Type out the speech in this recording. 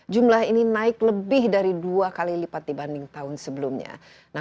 jumlah ini naik lebih dari dua kali lipat dibanding tahun sebelumnya